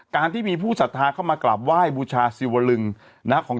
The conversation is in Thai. การที่มีผู้ศาสทาเข้ามากลับไว้บูชาสิวรึงนะฮะ